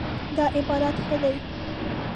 دا عبارت ښه دی